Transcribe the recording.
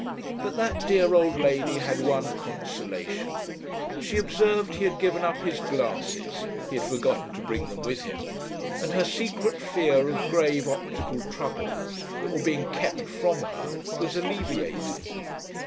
But that dear old lady had one consolation. She observed he had given up his glasses he had forgotten to bring them with him and her secret fear of grave optical troubles that were being "kept" from her was alleviated.